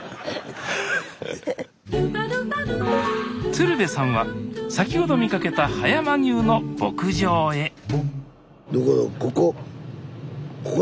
鶴瓶さんは先ほど見かけた葉山牛の牧場へどこ？